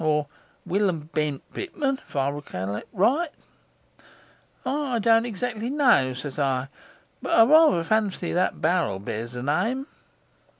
or "Wili'm Bent Pitman," if I recollect right. "I don't exactly know," sez I, "but I rather fancy that there barrel bears that name."